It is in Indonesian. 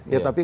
ya tapi kan